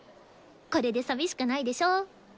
これで寂しくないでしょ？